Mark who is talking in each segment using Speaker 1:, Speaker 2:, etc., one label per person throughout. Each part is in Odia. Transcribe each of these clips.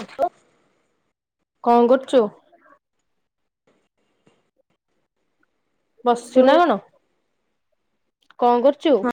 Speaker 1: [inaudible] କଣ କରୁଚୁ? ବସିଛୁ
Speaker 2: ହ୍ୟାଲୋ
Speaker 1: ନା କଣ? କଣ କରୁଚୁ?
Speaker 2: ହଁ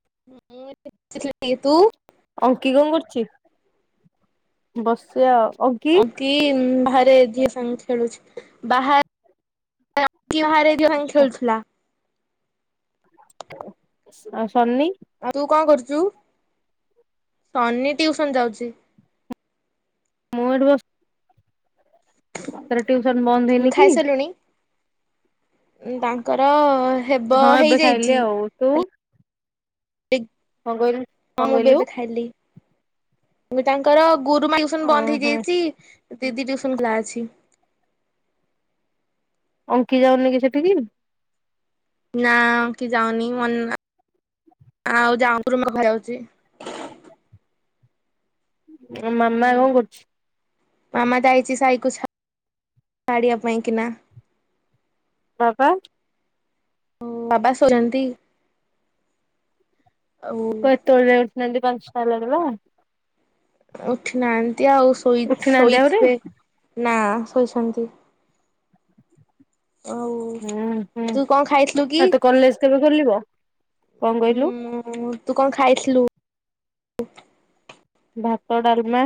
Speaker 2: [unintelligible]
Speaker 1: କି କଣ କରୁଛି ବସିଚି ଆଉ।
Speaker 2: ଅଙ୍କି ଇଁ ଭାଁ ଘରେ ଯିଏ ସେମି ଖେଳୁଛି ବାହା। [unintelligible]
Speaker 1: ଆଉ ସୋନି।
Speaker 2: ଆଉ ତୁ କଣ କରୁଛୁ ସନି ଟିଉସନ ଯାଉଛି।
Speaker 1: ମୋର ବ [inaudible] ଟୁଉସନ ବନ୍ଦ ହେଇନି କି?
Speaker 2: ବାଙ୍କର ହେବ
Speaker 1: ହଁ ଏବେ ଖାଇଲି
Speaker 2: ହେଇଯାଇଛି।
Speaker 1: ଆଉ ତୁ
Speaker 2: ହଁ
Speaker 1: କଣ ଗ କଣ
Speaker 2: ବି
Speaker 1: କହିଲୁ।
Speaker 2: ଏବେ ଖାଇଲି ମୁଁ ତାଙ୍କର ଗୋରୁ ମାଗୁସନ ବନ୍ଦ
Speaker 1: ଓହୋ
Speaker 2: ହେଇଯାଇଛି। ଦିଦି ଟିଉସନ କ୍ଲା ଅଛି।
Speaker 1: ଅଙ୍କି ଯାଉନି କି ସେଠିକି?
Speaker 2: ନା କି ଯାଉନି ମ [inaudible] ଆଉ [unintelligible] ଯାଉଛି।
Speaker 1: ଆ ମାମା କଣ କରୁଛି?
Speaker 2: ମାମା ଯାଇଚି ସାଇକୁ [inaudible] ଛାଡିବା ପାଇଁ କି ନା। [inaudible]
Speaker 1: ବାପା?
Speaker 2: ହଁ ବାବା ଶୋଇଛନ୍ତି। [inaudible]
Speaker 1: କ ତଳେ ନନ୍ଦୀ ପାଞ୍ଚ ଟ ହେଲାଣି ପା।
Speaker 2: ଉଠନାହାନ୍ତି। ଆଉ ଶୋଇ
Speaker 1: ଉଠିନାହାନ୍ତି ଆହୁରି
Speaker 2: ଶୋଇଥିବେ। ନା ଶୋଇଛନ୍ତି। [inaudible] ଆଉ
Speaker 1: ହୁଁ ହୁଁ
Speaker 2: ତୁ କଣ ଖାଇଥିଲୁ କି?
Speaker 1: ଆଉ ତୋ କଲେଜ କେବେ ଖୋଲିବ, କଣ କହିଲୁ?
Speaker 2: ଉଁ ତୁ କଣ ଖାଇଥିଲୁ?
Speaker 1: ଭାତ, ଡାଲମା,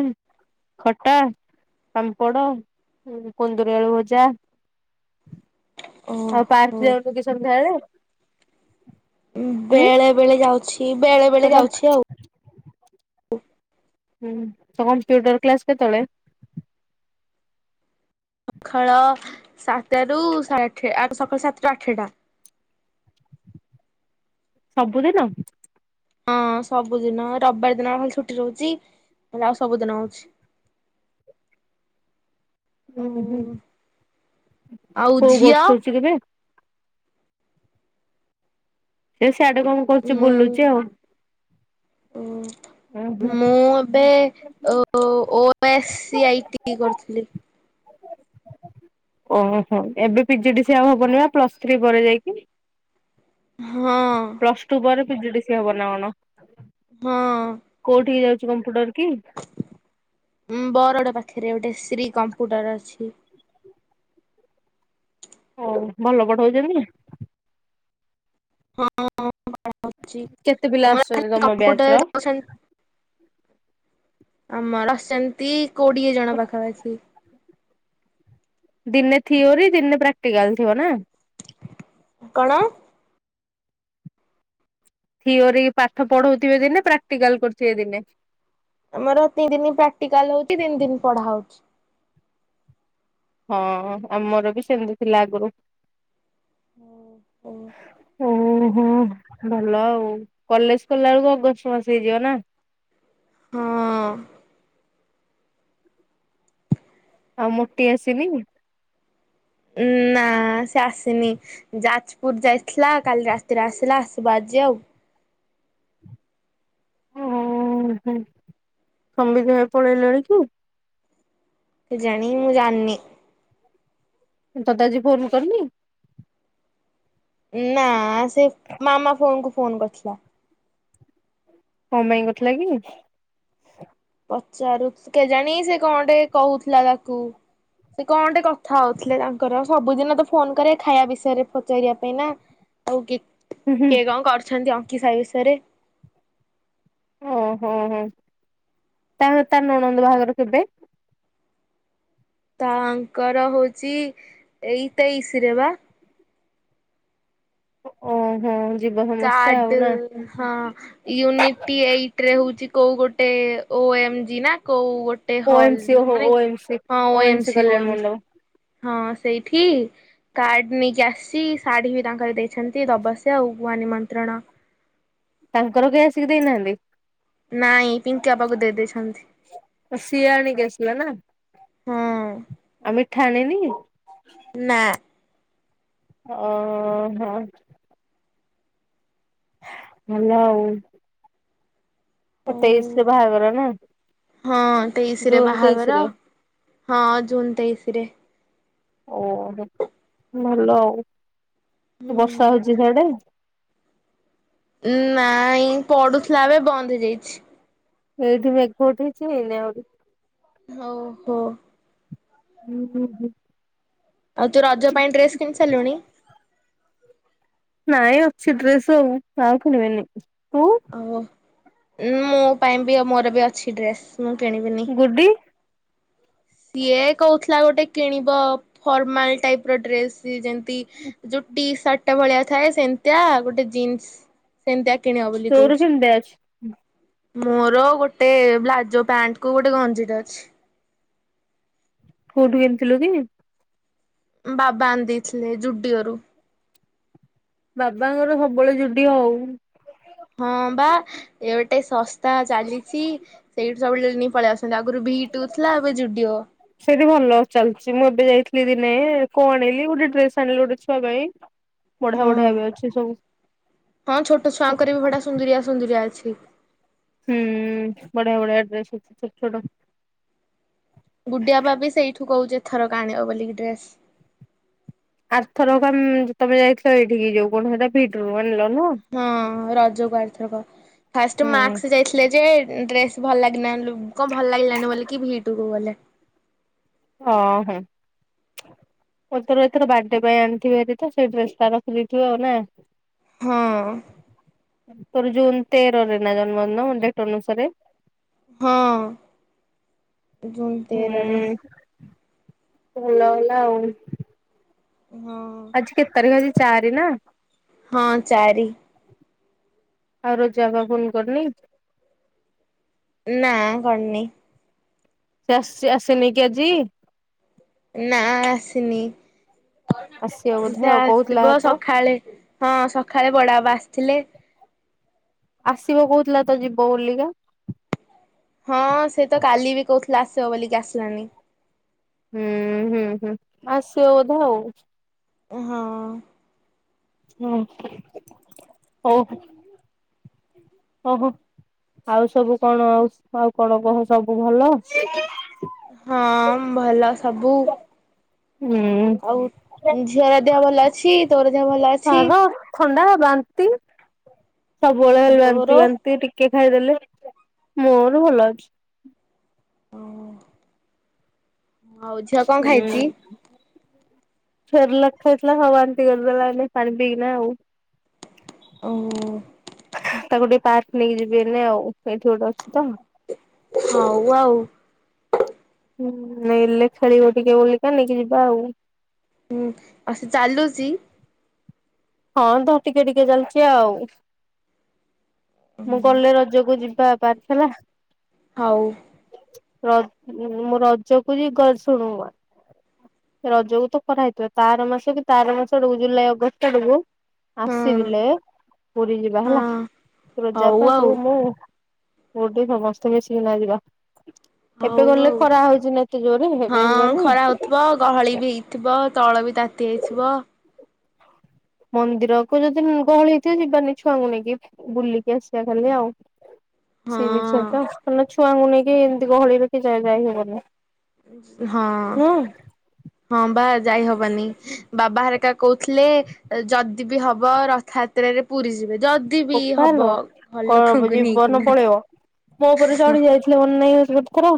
Speaker 1: ଖଟା, ପାମ୍ପଡ, କୁନ୍ଦୁରି ଆଳୁ ଭଜା [inaudible] ଆଉ
Speaker 2: ଓହୋ
Speaker 1: ପାର୍କ ଯାଉନୁ କି ସନ୍ଧ୍ୟାବେଳେ? ହୁଁ
Speaker 2: ବେଳେ ବେଳେ ଯାଉଛି ବେଳେ
Speaker 1: ତ
Speaker 2: ବେଳେ
Speaker 1: କମ୍
Speaker 2: ଯାଉଛି ଆଉ। [inaudible]
Speaker 1: ହୁଁ ତମର [unintelligible] କମ୍ପ୍ୟୁଟର କ୍ଲାସ କେତେବେଳେ?
Speaker 2: ସକାଳ ସାତରୁ ସାଢେ ଆଠ ଆ ସକାଳ ସାତଟାରୁ ଆଠଟା।
Speaker 1: ସବୁ ଦିନ?
Speaker 2: ହଁ ସବୁଦିନ, ରବିବାର ଦିନ ଖାଲି ଛୁଟି ରହୁଛି ହେଲେ, ଆଉ ସବୁଦିନ ହଉଛି। [inaudible]
Speaker 1: ହୁଁ ହୁଁ
Speaker 2: ଆଉ
Speaker 1: [inaudible] କୋଉ
Speaker 2: ଝିଅ
Speaker 1: କୋର୍ସ କରୁଛି କି ବେ? ସେ ସିଆଡେ କଣ କରୁଛି
Speaker 2: ମୁଁ
Speaker 1: ବୁଲୁଛି ଆଉ। ଉଁ ହୁଁ।
Speaker 2: [inaudible] ମୁଁ ଏବେ ଓ ଏସ୍ ସି ଆଇଟି କରିଥିଲି।
Speaker 1: [inaudible] ଓହୋ ଏବେ ପି ଜି ଡି ସିଏ ଆଉ ହବନି ବା ପ୍ଲସ ଥ୍ରୀ ପରେ ଯାଇକି। ପ୍ଲସ ଟୁ ପରେ
Speaker 2: ହଁ।
Speaker 1: ପିଜି ଡିସିଏ ହବ ନା କଣ?
Speaker 2: ହଁ।
Speaker 1: [unintelligible] କମ୍ପୁଟର।
Speaker 2: [inaudible] ବରଡ ପାଖରେ ଗୋଟେ ଶ୍ରୀ କମ୍ପ୍ୟୁଟର ଅଛି। ପି
Speaker 1: ହଉ, ଭଲ ପଢଉଚନ୍ତି? [inaudible]
Speaker 2: ହଁ
Speaker 1: କେତେ ପିଲା
Speaker 2: [unintelligible]
Speaker 1: ଆସୁଛନ୍ତି ତମ ବ୍ୟାଚ୍ ର?
Speaker 2: କମ୍ପ୍ୟଟର ଦସ [unintelligible] [inaudible] ଆମର ଆସୁଛନ୍ତି, କୋଡିଏ ଜଣ ପାଖାପାଖି।
Speaker 1: ଦିନେ ଥିଓରି ଦିନେ ପ୍ରାକ୍ଟିକାଲ ଥିବ ନା?
Speaker 2: [inaudible] କଣ?
Speaker 1: ଥିଓରି ପାଠ ପଢଉଥିବେ ଦିନେ ପ୍ରାକ୍ଟିକାଲ କରୁଥିବେ ଦିନେ?
Speaker 2: ଆମର ତିନି ଦିନ ପ୍ରାକ୍ଟିକାଲ ହଉଛି ତିନି ଦିନ ପଢା ହଉଛି।
Speaker 1: ହଁ ଆମର ବି ସେମିତି ଥିଲା ଆଗରୁ। [inaudible]
Speaker 2: ହଉ ହଉ।
Speaker 1: ହଁ ଭଲ ଆଉ। କଲେଜ ଗଲା ବେଳକୁ ଅଗଷ୍ଟ ମାସ ହେଇଯିବ ନା।
Speaker 2: ହଁ।
Speaker 1: ଆଉ ମୋଟି ଆସିନି।
Speaker 2: ଉମ୍ ନା ସେ ଆସିନି। ଯାଜପୁର ଯାଇଥିଲା କାଲି ରାତିରେ ଆସିଲା। ଆସିବ ଆଜି ଆଉ।
Speaker 1: ଓ ହ ସମ୍ବିତ୍ ଭାଇ [unintelligible] ପଳେଇଲେଣି କି?
Speaker 2: କେଜାଣି ମୁଁ ଜାଣିନି।
Speaker 1: ତତେ ଆଜି ଫୋନ କରିନି?
Speaker 2: ନା। ସେ ମାମା ଫୋନକୁୁ ଫୋନ କରିଥିଲା।
Speaker 1: କଣ ପାଇଁ କରିଥିଲା କି?
Speaker 2: ପଚାରୁ କେଜାଣି ସେ କଣ ଟେ କହୁଥିଲା ତାକୁ ସେ କଣଟେ କଥା ହଉଥିଲେ ତାଙ୍କର ସବୁଦିନ ତ ଫୋନ କରେ ଖାଇବା ବିଷୟରେ ପଚାରିବା ପାଇଁ ନା। ଆଉ
Speaker 1: ହୁଁ
Speaker 2: କିଏ କଣ କରୁଛନ୍ତି? କି ସାଇ ବିଷୟରେ
Speaker 1: ଓହୋ ହୋ ହଁ ତା ତା ନଣନ୍ଦ ବାହାଘର କେବେ?
Speaker 2: ତାଙ୍କର ହଉଚି ଏଇ ତେଇଶି ରେ ବା।
Speaker 1: ଓହୋ ଯିବ ସମସ୍ତେ ଆଉ
Speaker 2: କାର୍ଡ
Speaker 1: ନା
Speaker 2: ହଁ ୟୁନିଟି ଏଇଟ ରେ ହଉଛି କୋଉ ଗୋଟେ ଓ ଏମ ଜି ନା କୋଉ ଗୋଟେ
Speaker 1: ଓ
Speaker 2: ହଲ୍
Speaker 1: ଏମସି ଓହୋ
Speaker 2: ମାନେ
Speaker 1: ଓ ଏମସି
Speaker 2: ହଁ
Speaker 1: ଓ
Speaker 2: ଏମ
Speaker 1: ଏମସି
Speaker 2: ସି
Speaker 1: କଲ୍ୟାଣ
Speaker 2: ଏମ ସି
Speaker 1: ମଣ୍ଡପ।
Speaker 2: ହଁ ସେଇଠି କାର୍ଡ ନେଇକି ଆସିଛି ଶାଢୀ ବି ତାଙ୍କର ଦେଇଛନ୍ତି ଦବସିଅ ଆଉ ଗୁଆ ନିମନ୍ତ୍ରଣ।
Speaker 1: ତାଙ୍କର କେହି ଆସିକି ଦେଇନାହାନ୍ତି।
Speaker 2: ନାଇଁ ପିଙ୍କି ଆପାକୁ ଦେଇ ଦେଇଛନ୍ତି।
Speaker 1: କୁଲାନା।
Speaker 2: ହଁ।
Speaker 1: ମିଠା ଆଣିନି।
Speaker 2: ନା
Speaker 1: ଓ ହୋ। ଭଲ ଅଉ।
Speaker 2: ଅଉ
Speaker 1: ନା
Speaker 2: ହଁ ତେଇଶିରେ
Speaker 1: ଜୁନ ତେଇଶରେ
Speaker 2: ବାହାଘର ହଁ ଜୁନ ତେଇଶି ରେ।
Speaker 1: ଓ ଭଲ ଆଉ। ବର୍ଷା ହଉଚି ସିଆଡେ
Speaker 2: ନ ପଡୁଥିଲା ଏବେ ବନ୍ଦ ହେଇଯାଇଛି।
Speaker 1: ଏଇଠି ମେଘ ଉଠେଇଚି ଏଇନେ ଆହୁ ନାହିଁ।
Speaker 2: ହଉ ଓ ହୋ।
Speaker 1: ହୁଁହୁଁ ହୁଁ
Speaker 2: ଆଉ ତୁ ରଜ ପାଇଁ ଡ୍ରେସ୍ କିଣି ସାରିଲୁଣି।
Speaker 1: ନାଇଁ ଅଛି ଡ୍ରେସ୍ ଅଉ ଆଉ କିଣିବେନି।
Speaker 2: ଆଉ ମୋ ପାଇଁ ବି ମୋର ବି ଅଛି ଡ୍ରେସ୍। ମୁଁ କିଣିିବିନି।
Speaker 1: ଗୁଡି
Speaker 2: ସିଏ କହୁଥିଲା ଗୋଟେ କିଣିବ ଫର୍ମାଲ ଟାଇପ୍ ର ଡ୍ରେସ୍ ଯେମତି ଯୋଉ ଟି ସାର୍ଟ ଟା ଭଳିଆ ଥାଏ। ସେମିତିଆ ଗୋଟେ ଜିନ୍ସ୍ ସେମତିଆ
Speaker 1: ତୋର କେମଦିଆ ଅଛି।
Speaker 2: ମୋର ଗୋଟେ ବ୍ଲାଜୋ ପ୍ୟାଣ୍ଟକୁ ଗୋଟେ ଗଞ୍ଜିଟେ ଅଛି।
Speaker 1: କୋଉଠୁ କିଣିଥିଲୁ କି?
Speaker 2: ବାବା ଆଣିଦେଇଥିଲେ ଜୁଡିଓରୁ।
Speaker 1: ବାବାଙ୍କର ସବୁବେଳେ ଯୁଡିଓ ଅଉ।
Speaker 2: ହଁ ବା ଏ ଗୋଟେ ଶସ୍ତା ଚାଲିଚି ସେଇଠୁ ସବୁବେଳେ ନେଇ ପଳେଇ ଆସୁ ଆଗୁରୁ ଭିଟୁ ଥିଲା ଏବେ ଯୁଡିଓ।
Speaker 1: ସେଇଠି ଭଲ ଚାଲିଛି ମୁଁ ଏବେ ଯାଇଥିଲି ଦିନେ କଣ ଆଣିଲି ଗୋଟେ ଡ୍ରେସ୍ ଆଣିଲି ଗୋଟେ ଛୁଆ ପାଇଁ। ବଢିଆ
Speaker 2: ହଁ
Speaker 1: ବଢିଆ ଏବେ ଅଛି ସବୁ।
Speaker 2: ହଁ ଛୋଟ ଛୁଆଙ୍କର ବି ବଢିଆ ସୁନ୍ଦୁରିଆ ସୁନ୍ଦୁରିଆ ଅଛି। ଠିକ୍।
Speaker 1: ହୁଁ ବଢିଆ ବଢିଆ ଡ୍ରେସ୍ ଅଛି ଛୋଟ ଛୋଟ।
Speaker 2: ଗୁଡିଆ ବା ବି ସେଇଠୁ କହୁଛେ ଏଥରକ ଆଣିବ ବୋଲି ଡ୍ରେସ୍।
Speaker 1: ଆରଥର କ ତମେ ଯାଇଥିଲ ଏଇଠିକି ଯୋଉ କଣ ସେଟା ଭି ଟୁ।
Speaker 2: ହଁ ରଜ ଗୁ ଆରଥରକ ଫାଷ୍ଟ
Speaker 1: ହୁଁ
Speaker 2: ମାକ୍ସ ଯାଇଥିଲେ ଯେ ଡ୍ରେସ୍ ଭଲ ଲାଗିନାନ କଣ ଭଲ ଲାଗିଲାନି ବୋଲିକି ଭି ଟୁ କୁ ଗଲେ।
Speaker 1: ଓହୋ ମୁଁ ତର ଏଥର ବାର୍ଥଡେ ପାଇଁ ଆଣିଥିବି ହାରି ତ ସେଇ ଡ୍ରେସ୍ ଟା ରଖିଦେଇଥିବେ ଆଉ ନା।
Speaker 2: ହଁ।
Speaker 1: ତୋର ଜୁନ୍ ତେର ରେ ନା ଜନ୍ମଦିନ ଡେଟ୍ ଅନୁସାରେ।
Speaker 2: ହଁ। ଜୁନ୍
Speaker 1: ହୁଁ
Speaker 2: ତେରରେ।
Speaker 1: ଭଲ ହେଲା ଆଉ।
Speaker 2: ହଁ
Speaker 1: ଆଜି କେତେ ତାରିଖ ଆଜି। ଚାରି ନା।
Speaker 2: ହଁ ଚାରି।
Speaker 1: ଆଉ ରୋଜା ଅପା ଫୋନ୍ କରିନି।
Speaker 2: ନାଁ କନି।
Speaker 1: ସେ ଆସି ଆସିନି କି ଆଜି।
Speaker 2: ନା ଆସିନି।
Speaker 1: ଆସିବ ବୋଧେ
Speaker 2: ସେ
Speaker 1: ଆଉ କହୁଥିଲା
Speaker 2: ଆସିବ
Speaker 1: ତ
Speaker 2: ସକାଳେ ହଁ ସକାଳେ ବଡାବା ଆସିଥିଲେ।
Speaker 1: ଆସିବ କୋଉଥିଲା ତ ଯିବ ବୋଲିକା।
Speaker 2: ହଁ ସେ ତ କାଲି ବି କହୁଥିଲେ ଆସିବ ବୋଲିକି ଆସିଲାନି।
Speaker 1: ହୁଁ ହୁଁ ହୁଁ ଆସିବ ବୋଧେ ଆଉ।
Speaker 2: ହଁ।
Speaker 1: ହୁଁ ହଉ। ଓହୋ ଆଉ ସବୁ କଣ ଆଉ ଆଉ କଣ କହ ସବୁ ଭଲ।
Speaker 2: ହଁ ଭଲ ସବୁ।
Speaker 1: ହୁଁ
Speaker 2: ଆଉ ଝିଅର ଦେହ ଭଲ ଅଛି। ତୋର ଯା ଭଲ ଅଛି।
Speaker 1: ତାର ଥଣ୍ଡା ବାନ୍ତି। ସବୁବେଳେ ହେଲେ
Speaker 2: ତୋର
Speaker 1: ବାନ୍ତି ବାନ୍ତି ଟିକେ ଖାଇଦେଲେ ମୋର ଭଲ ଅଛି।
Speaker 2: ଓ ହୋ। ଆଉ ଝିଅ କଣ ଖାଇଛି।
Speaker 1: ସେରେଲାକ୍ ଖାଇଥିଲା ସବୁ ବାନ୍ତି କରିଦେଲା ଏଇନା ପାଣି ପିି କି ନା ଆଉ।
Speaker 2: ଓ ।
Speaker 1: ତାକୁ ଟିକେ ପାର୍କ ନେଇକି ଯିବି ଏଇନେ ଆଉ ଏଇଠି ଗୋଟେ ଅଛି ତ।
Speaker 2: ହଉ ଆଉ।
Speaker 1: ହୁଁ ନେଲେ ଖେଳିବ ଟିକେ ବଲିକା ନେଇକି ଯିବା ଆଉ।
Speaker 2: ହୁଁ ଆଉ ସେ ଚାଲୁଛି।
Speaker 1: ହଁ ଧର ଟିକେ ଟିକେ ଚାଲିଛି ଆଉ ମୁଁ ଗଲେ ରଜକୁ ଯିବା। ପାରର୍ଛଲା [unintelligible]
Speaker 2: ହଉ ।
Speaker 1: ର ମୁଁ ରଜକୁ ଯ ଶୁଣ ରଜକୁ ତ ଖରା ହେଇଥିବ ତାର ମାସ କି ତାର ମାସ ଆଡକୁ ଜୁଲାଇ ଅଗଷ୍ଟ ଆଡକୁ
Speaker 2: ହଁ
Speaker 1: ଆସିଲେ ପୁରୀ ଯିବା ହେଲା
Speaker 2: ହଁ
Speaker 1: ରୋଜା
Speaker 2: ହଉ
Speaker 1: ଅପା ତୁ
Speaker 2: ଆଉ
Speaker 1: ମୁଁ। ଗୁଡ଼ି ସମସ୍ତେ ମିସିକିନା ଯିବା।
Speaker 2: ହଉ
Speaker 1: ଏବେ ଗଲେ
Speaker 2: ହଉ
Speaker 1: ଖରା ହଉଛି ନା ଏତେ ଜୋରେ
Speaker 2: ହଁ
Speaker 1: ଏବେ ଯିବାନି
Speaker 2: ଖରା ହଉଥିବ ଗହଳି ବି ହେଇଥିବ ତଳ ବି ତା ତି [inaudible] ଇଥିବା
Speaker 1: ମନ୍ଦିରକୁ ଯଦି ଗହଳି ହେଇଥିବ ଯିବାନି ଛୁଆଙ୍କୁ ନେଇକି ବୁଲିକି ଆସିବା ଖାଲି ଆଉ। ସି ବିଚ
Speaker 2: ହଁ
Speaker 1: ତ [inaudible] ଛୁଆଙ୍କୁ ନେଇକି ଏମିତି ଗହଳିରେତ ଯାଇ ବା ହି ହବନି।
Speaker 2: ହଁ
Speaker 1: ନୁହଁ
Speaker 2: ହଁ ବା ଯାଇ ହବାନି ବା ବା ହରିକା କହୁଥିଲେ ଯଦି ବିି ହବ ରଥଯାତ୍ରରେ ପୁରୀ ଯିବେ। ଯଦି ବି ହବ
Speaker 1: ବୋପାଲୋ
Speaker 2: ଘର
Speaker 1: କଣ
Speaker 2: ଲୋକଙ୍କୁ
Speaker 1: ଜୀବନ
Speaker 2: ନେଇକିନା
Speaker 1: ପଳେଇବ ମୋ ଉପରେ ଚଢି ଯାଇଥିଲେ ମନେ ନାଇଁ ଗୋଟେ ଥର।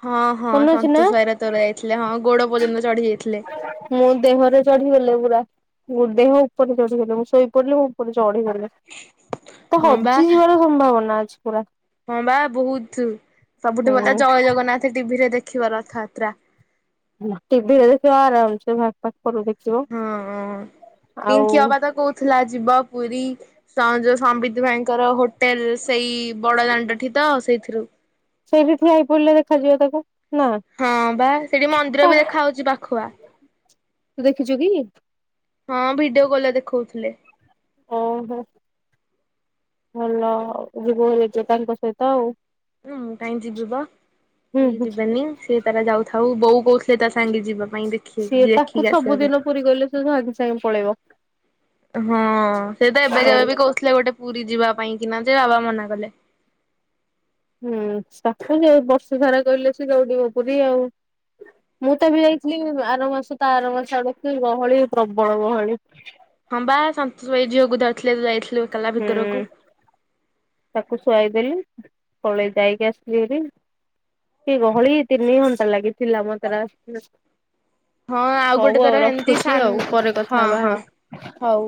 Speaker 2: ହଁ ହଁ
Speaker 1: ମନେ ଅଛି ନା
Speaker 2: ସନ୍ତୋଷ ଭାଇର ତୋର ଯାଇଥିଲେ ହଁ ଗୋଡ ପର୍ଯ୍ୟନ୍ତ ଚଢିଯାଇଥିଲେ।
Speaker 1: ମୁଁ ଦେହରେ ଚଢିଗଲେ ପୁରା ମୋ ଦେହ ଉପରେ ଚଢିଗଲେ ମୁଁ ଶୋଇପଡିଲି ମୁଁ ଉପରେ ଚଢିଗଲେ। ତ
Speaker 2: ହଁ ବା
Speaker 1: ହଜିଯିବାର ସମ୍ଭାବନା ଅଛି। ପୁରା ।
Speaker 2: ହଁ ବା ବହୁତ ସବୁଠୁ ଭଲ
Speaker 1: ହୁଁ
Speaker 2: ଜୟ ଜଗନ୍ନାଥ ଟିଭିରେ ଦେଖ ଖିବ ରଥଯାତ୍ରା।
Speaker 1: ଟିଭିିରେ ଦେଖିବ ଆରାମସେ ଭ
Speaker 2: ହଁ ପିଙ୍କି
Speaker 1: ଆଉ
Speaker 2: ଅପା ତ କହୁଥିଲା ଯିବ ପୁରୀ ଯୋଉ ସମ୍ୱିତ ଭାଇଙ୍କର ହୋ ଟେଲ୍ ସେଇ ବଡ଼ ଦା ସେଠି ତ ସେଇଥିରୁ
Speaker 1: ସେଇଠି ଠିଆ ହେଇପଡିଲେ ଦେଖାଯିବ ତାକୁ। ନା।
Speaker 2: ହଁ ବା ସେଠି ମନ୍ଦିର ବି
Speaker 1: ତୁ
Speaker 2: ଦେଖା ହଉଛି ପାଖୁଆ।
Speaker 1: ଦେଖିଛୁ କି?
Speaker 2: ହଁ ଭିଡିଓ କଲରେ ଦେଖଉଥିଲେ।
Speaker 1: ଓହୋ ଭଲ ଜିବୁବାହାରି ଏଜ ତାଙ୍କ ସହିତ ଆଉ।
Speaker 2: ହୁଁ ମୁଁ କାହିଁ ଯିବିବ
Speaker 1: ହୁଁ
Speaker 2: କି
Speaker 1: ହୁଁ।
Speaker 2: ଯିବେନି ସିଏ ତାର ଯାଉଥା ହଉ ବୋଉ କହୁ
Speaker 1: ସିଏ ତାକୁ
Speaker 2: ଆସିବା ପାଇଁ।
Speaker 1: ସବୁଦିନ ପୁରୀ କହିଲେ ସେ ସାଙ୍ଗେ ସାଙ୍ଗେ ପଳେଇବ।
Speaker 2: ହଁ ସେ ତ ଏବେ ଯେବେ
Speaker 1: ଦୌଡି
Speaker 2: ବି କହୁଥିଲେ ଗୋଟେ ପୁରୀ ଯିବା ପାଇଁ କିନା ଯେ ବାବା ମନାକଲେ।
Speaker 1: ହୁଁ ତାକୁ ଯୋଉ ବର୍ଷ ସାରା କହିଲେ ସେ ଦୌଉଡିବ ପୁରୀ ଆଉ, ମୁଁ ତ ବି ଯାଇଥିଲି ଆର ମାସ ତ ଆର ମାସ ଆଡେ କି ଗହଳି ପ୍ରବଳ ଗହଳି।
Speaker 2: ହଁ ବା ସନ୍ତୋଷ ଭାଇ ଝିଅକୁ ଧରିଥିଲେ ଯଉ ଯାଇଥି
Speaker 1: ହୁଁ ତାକୁ ଶୁଆଇ ଦେଲି ପଳେଇ ଯାଇକି ଆସିଥିଲି ହେରି କି ଗହଳି ତିନି ଘଣ୍ଟା ଲାଗିଥିଲା ମୋତେ [unintelligible] ଆସି
Speaker 2: ହଁ ଆଉ ଗୋଟେ ତୋର ଏମିତି ସାନ୍
Speaker 1: ଆଉ ପରେ କଥା
Speaker 2: ହଁ
Speaker 1: ହବା ଆଉ।
Speaker 2: ହଁ ହଉ।